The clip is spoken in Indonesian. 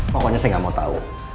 pokoknya saya gak mau tau